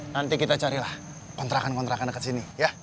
nanti kita carilah kontrakan kontrakan dekat sini ya